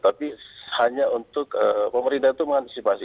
tapi hanya untuk pemerintah itu mengantisipasi